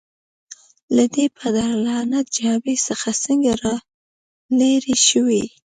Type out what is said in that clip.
له دې پدرلعنته جبهې څخه څنګه رالیري شوې؟